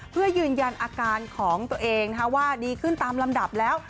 เพื่อยืนยันอาการของตัวเองว่าดีขึ้นตามลำดับแล้ว